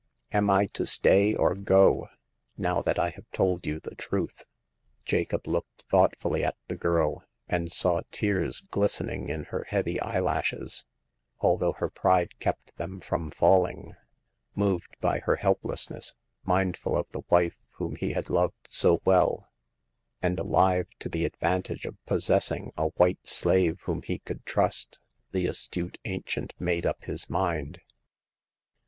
Am I to stay or go, now that I have told you the truth ?" Jacob looked thoughtfully at the girl, and saw tears glistening in her heavy eyelashes, although her pride kept them from falling. Moved by her helplessness, mindful of the wife whom he had loved so well, and alive to the advantage of possessing a white slave whom he could trust, the astute ancient made up his mind.